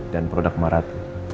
dan produk marat